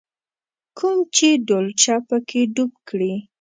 کوم چې ډولچه په کې ډوب کړې.